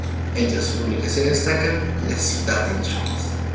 Entre sus publicaciones destacan "La ciudad en llamas.